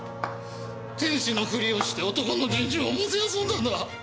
天使のフリをして男の純情をもてあそんだんだ。